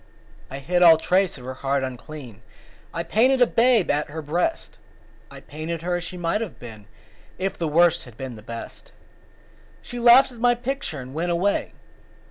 I hid all trace of her heart unclean; I painted a babe at her breast; I painted her as she might have been If the Worst had been the Best. She laughed at my picture and went away.